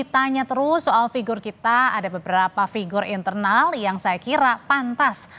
tanya terus soal figur kita ada beberapa figur internal yang saya kira pantas